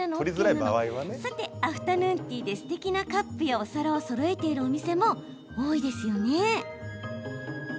さて、アフタヌーンティーってすてきなカップやお皿をそろえているお店も多いですよね。